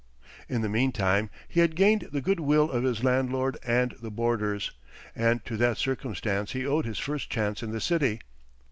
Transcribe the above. In the mean time he had gained the good will of his landlord and the boarders, and to that circumstance he owed his first chance in the city.